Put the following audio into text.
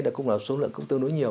đó cũng là số lượng tương đối nhiều